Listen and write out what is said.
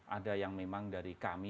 ada yang memang dari kami